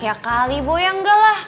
ya kali boyang enggak lah